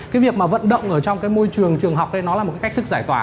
cái việc mà vận động ở trong cái môi trường trường học đây nó là một cái cách thức giải tỏa